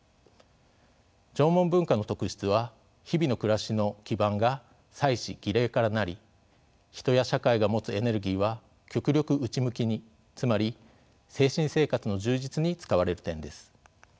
縄文文化の特質は日々の暮らしの基盤が祭祀・儀礼からなり人や社会が持つエネルギーは極力内向きにつまり精神生活の充実に使われる点です。